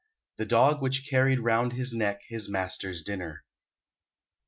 THE DOG WHICH CARRIED ROUND HIS NECK HIS MASTER'S DINNER.